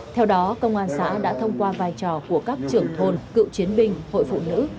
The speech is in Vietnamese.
theo đó công an xã đã thông qua vai trò của các trưởng thôn cựu chiến binh hội phụ nữ